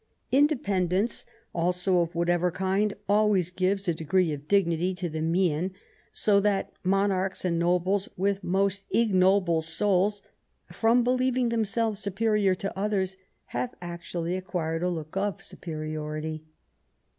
Independence also of LITERARY WORK. 153 whatever kind, always gives a degree of dignity to the mien; so that monarchs and nobles with most ignoble souls, from believing themselves saperior to others, have actually acquired a look of su periority.